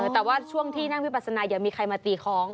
แต่ว่าช่วงที่นั่งวิปัสนาอย่ามีใครมาตีคล้อง